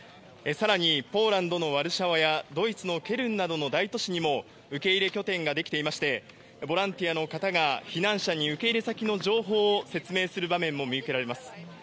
更に、ポーランドのワルシャワやドイツのケルンなどの大都市にも受け入れ拠点ができていましてボランティアの方が避難者に受け入れ先の情報を説明する場面も見受けられます。